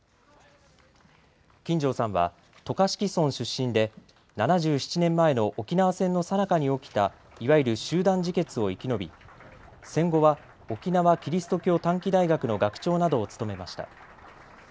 金城さんは渡嘉敷村出身で７７年前の沖縄戦のさなかに起きたいわゆる集団自決を生き延び戦後は沖縄キリスト教短期大学の学長などを務めました。